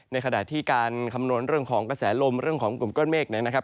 ขณะที่การคำนวณเรื่องของกระแสลมเรื่องของกลุ่มก้อนเมฆนะครับ